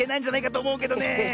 おもうけどねえ。